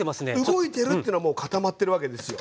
動いてるっつうのはもう固まってるわけですよ。